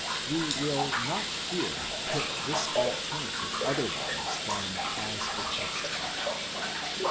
We will not here put this alternative otherwise than as a question.